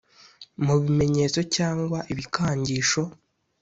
mu bimenyetso cyangwa ibikangisho